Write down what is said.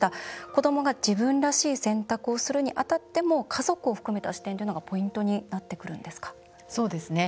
子どもが自分らしい選択をするにあたっても家族を含めた視点ということが大切になってくるんですか？